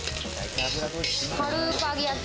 軽く揚げ焼き。